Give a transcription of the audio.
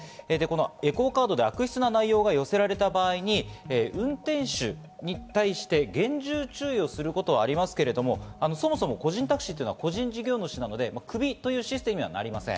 エコーカードで悪質な内容が寄せられた場合に、運転手に対して厳重注意をすることはありますけれども、そもそも個人タクシーは個人事業主なのでクビというシステムにはなりません。